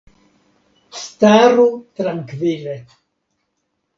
Staru trankvile!